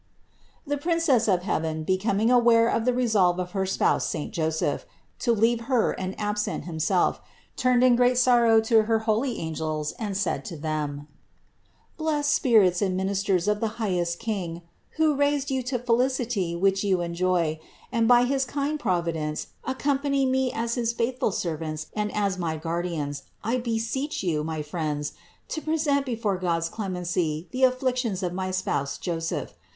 390. The Princess of heaven, becoming aware of the resolve of her spouse saint Joseph to leave Her and ab sent himself, turned in great sorrow to her holy angels and said to them : "Blessed spirits and ministers of the highest King, who raised you to felicity which you enjoy, and by his kind Providence accompany me as his faith ful servants and as my guardians, I beseech you, my friends, to present before God's clemency the afflictions of my spouse Joseph.